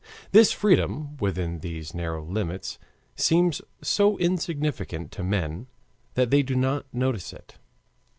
This freedom within these narrow limits seems so insignificant to men that they do not notice it.